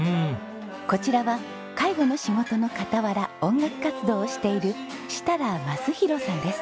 こちらは介護の仕事の傍ら音楽活動をしている設楽ます